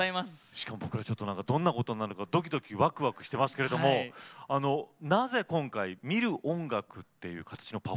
しかも僕らちょっとなんかどんなことになるかドキドキワクワクしてますけれどもなぜ今回見る音楽っていう形のパフォーマンス考えられたんでしょうか。